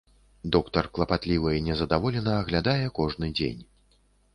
Доктар клапатліва і нездаволена аглядае кожны дзень.